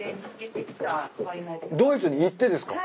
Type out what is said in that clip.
ドイツに行ってですか？